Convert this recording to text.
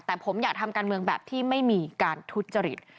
แต่ผมอยากทำการเมืองแบบที่ไม่มีการทุจริต